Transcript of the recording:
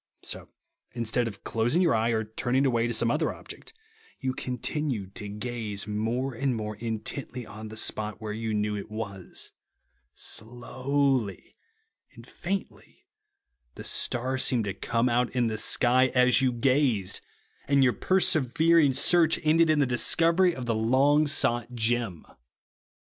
So, instead of closing your eye or turning away to some other object, you continued to gaze more and more intently on the spot w^here you knew it was. Slowly and faintly the star seemed to come out in the sky, as you gazed ; and your persever ing search ended in the discovery of the long sought gem.